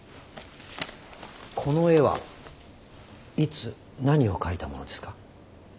この絵はいつ何を描いたものですか？